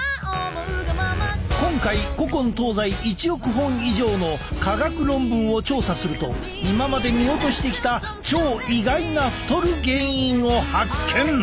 今回古今東西１億本以上の科学論文を調査すると今まで見落としてきた超意外な太る原因を発見！